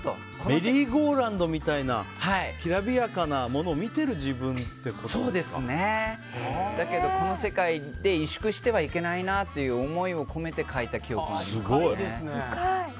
メリーゴーラウンドみたいなきらびやかなものをそうですね。だけどこの世界で委縮してはいけないなという思いも込めて描いた記憶がありますね。